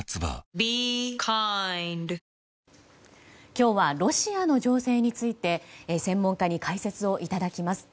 今日はロシアの情勢について専門家に解説をいただきます。